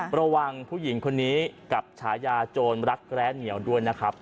ระวังผู้หญิงคนนี้กับฉายาโจรรักแร้เหนียวด้วยนะครับ